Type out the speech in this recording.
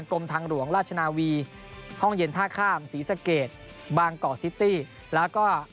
กรมทางหลวงราชนาวีห้องเย็นท่าข้ามศรีสะเกดบางกอกซิตี้แล้วก็